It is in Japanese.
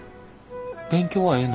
勉強はええの？